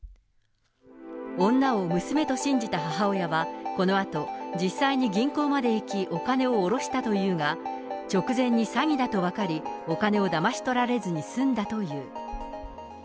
女を娘と信じた母親はこのあと、実際に銀行まで行きお金を下ろしたというが、直前に詐欺だと分かり、お金をだまし取られずに済んだという。